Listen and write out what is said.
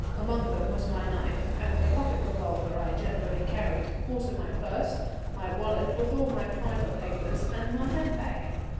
Among them was my knife and a pocket revolver I generally carried, also my purse, my wallet with all my private papers, and my handbag.